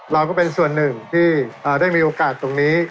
เราก็เป็นส่วนหนึ่งที่ได้มีโอกาสตรงนี้